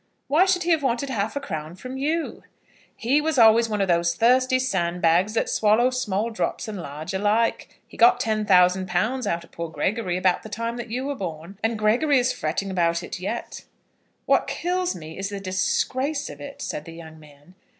"Why should he have wanted half a crown from you?" "He was always one of those thirsty sandbags that swallow small drops and large alike. He got £10,000 out of poor Gregory about the time that you were born, and Gregory is fretting about it yet." "What kills me is the disgrace of it," said the young man.